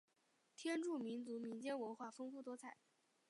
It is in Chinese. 天柱民族民间文化丰富多彩。